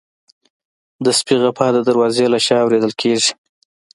د سپي غپا د دروازې له شا اورېدل کېږي.